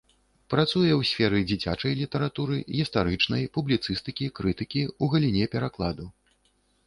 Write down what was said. Працуе ў сферы дзіцячай літаратуры, гістарычнай, публіцыстыкі, крытыкі, у галіне перакладу.